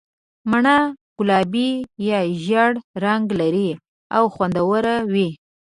مڼه ګلابي یا ژېړ رنګ لري او خوندوره وي.